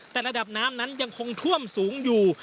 แต่ระดับน้ำนั้นยังคงท่วมสูงอยู่